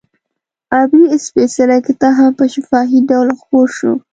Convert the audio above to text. عبري سپېڅلی کتاب هم په شفاهي ډول خپور شو.